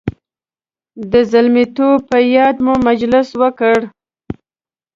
د زلمیتوب په یاد مو مجلس وکړ.